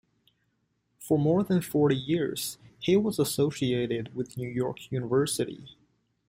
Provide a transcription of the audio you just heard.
For more than forty years, he was associated with New York University.